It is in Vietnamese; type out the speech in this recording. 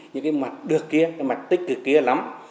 những cái mặt được kia cái mặt tích cực kia lắm